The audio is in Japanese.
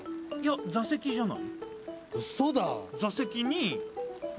座席じゃない？